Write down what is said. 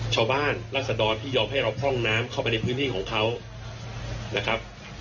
รัศดรที่ยอมให้เราพร่องน้ำเข้าไปในพื้นที่ของเขานะครับ